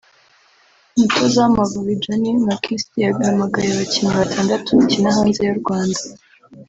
umutoza w’Amavubi Johnny Mckinstry yahamagaye abakinnyi batandatu bakina hanze y’u Rwanda